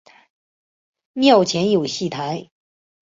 庙前有戏台。